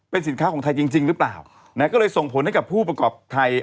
เป็นสินค้าของไทยจริงจริงหรือเปล่านะก็เลยส่งผลให้กับผู้ประกอบไทย